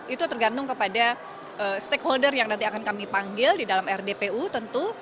itu tergantung kepada stakeholder yang nanti akan kami panggil di dalam rdpu tentu